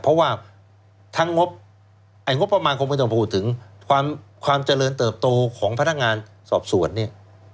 เพราะว่าทั้งงบงบประมาณคงไม่ต้องพูดถึงความเจริญเติบโตของพนักงานสอบสวนเนี่ย